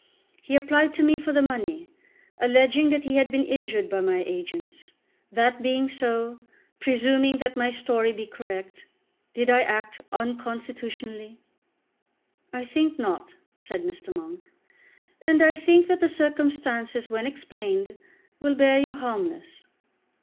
"He applied to me for the money, alleging that he had been injured by my agents. That being so, presuming that my story be correct, did I act unconstitutionally?" "I think not," said Mr. Monk, "and I think that the circumstances, when explained, will bear you harmless."